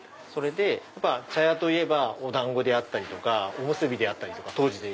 茶屋といえばお団子であったりおむすびであったり当時は。